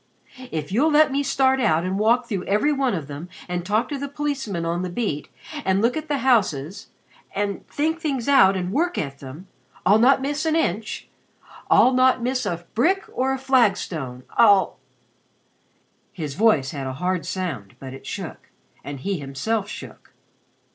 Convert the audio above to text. If you'll let me start out and walk through every one of them and talk to the policemen on the beat and look at the houses and think out things and work at them I'll not miss an inch I'll not miss a brick or a flagstone I'll " His voice had a hard sound but it shook, and he himself shook.